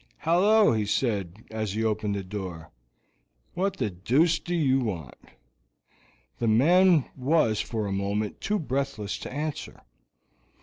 "Hallo," he said, as he opened the door, "what the deuce do you want?" The man was for a moment too breathless to answer.